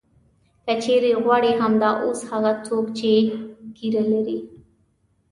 که چېرې غواړې همدا اوس هغه څوک چې ږیره لري.